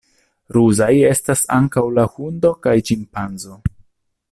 Ruzaj estas ankaŭ la hundo kaj ĉimpanzo.